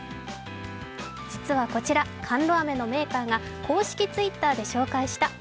実はこちら、カンロ飴のメーカーが公式Ｔｗｉｔｔｅｒで公開した＃